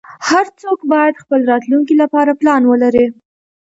هر څوک باید خپل راتلونکې لپاره پلان ولری